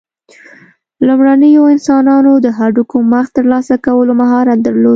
لومړنیو انسانانو د هډوکو مغز ترلاسه کولو مهارت درلود.